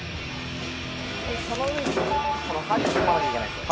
その上に、そのはりを組まないといけないんですよ。